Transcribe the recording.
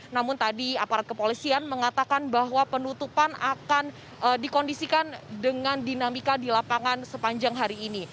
namun tadi aparat kepolisian mengatakan bahwa penutupan akan dikondisikan dengan dinamika di lapangan sepanjang hari ini